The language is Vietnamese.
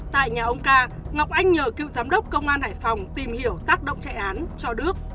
tại nhà ông ca ngọc anh nhờ cựu giám đốc công an hải phòng tìm hiểu tác động chạy án cho đức